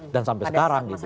dan sampai sekarang gitu